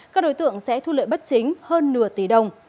các đối tượng sẽ thu lợi bất chính hơn nửa tỷ đồng